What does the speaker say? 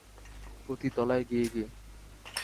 প্রতি তলায় গিয়ে গিয়ে।